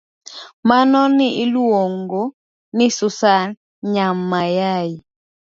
Mano ne Iluong'o ni Susan Nya Mayai